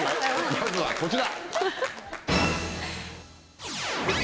まずはこちら！